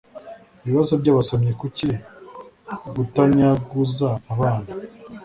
ibibazo by abasomyi kuki gutanyaguza abana